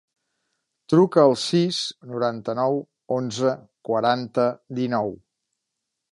Truca al sis, noranta-nou, onze, quaranta, dinou.